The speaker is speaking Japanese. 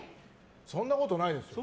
そんなことないですよ。